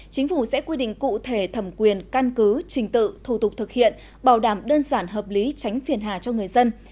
chính phủ sẽ quy định cụ thể thẩm quyền căn cứ trình tự thủ tục thực hiện bảo đảm đơn giản hợp lý tránh phiền hà cho người dân